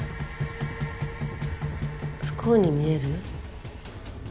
不幸に見える？